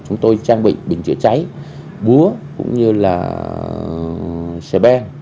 chúng tôi trang bị bình chữa cháy búa cũng như là xe ben